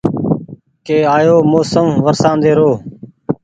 ڪي آيو موسم ورشاندي رو